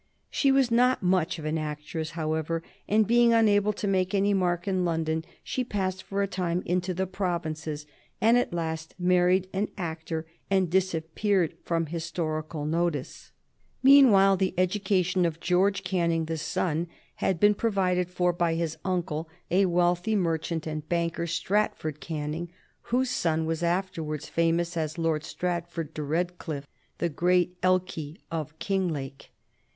She was not much of an actress, however, and, being unable to make any mark in London, she passed for a time into the provinces, and at last married an actor and disappeared from historical notice. Meanwhile, the education of George Canning the son had been provided for by his uncle, a wealthy merchant and banker, Stratford Canning, whose son was afterwards famous as Lord Stratford de Redcliffe, the "great Elchi" of Kinglake.